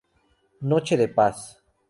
Noche de Paz.